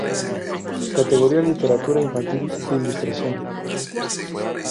Categoria: literatura infantil e ilustración